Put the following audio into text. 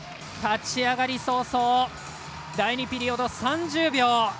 立ち上がり早々、第２ピリオド３０秒。